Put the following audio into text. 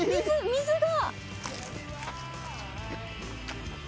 水が。